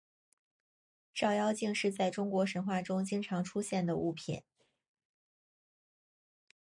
照妖镜是在中国神话中经常出现的物品。